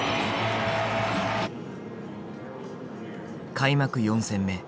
開幕４戦目。